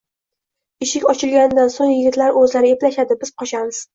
Eshik ochilgandan so`ng yigitlar o`zlari eplashadi, biz qochamiz